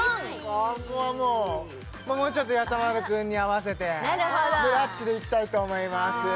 ここはもうやさ丸くんに合わせてブラッチでいきたいと思います